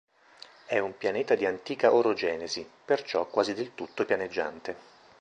È un pianeta di antica orogenesi, perciò quasi del tutto pianeggiante.